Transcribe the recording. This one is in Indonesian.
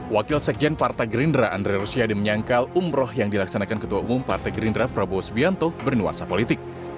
wakil sekjen partai gerindra andre rosiade menyangkal umroh yang dilaksanakan ketua umum partai gerindra prabowo subianto bernuansa politik